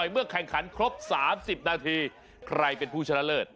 เมื่อแข่งขันครบ๓๐นาทีใครเป็นผู้ชนะเลิศ